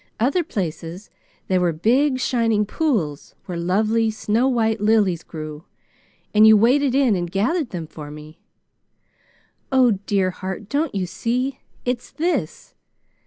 Other places there were big shining pools where lovely, snow white lilies grew, and you waded in and gathered them for me. Oh dear heart, don't you see? It's this!